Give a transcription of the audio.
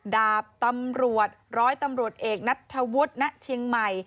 ดาบตำรวจร้อยตำรวจเอกนัทธวุฒิณเชียงใหม่